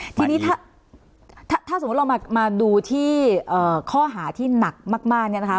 ทีนี้ถ้าสมมุติเรามาดูที่ข้อหาที่หนักมากเนี่ยนะคะ